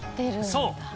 そう！